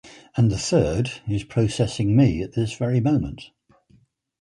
And the third - is processing me at this very moment.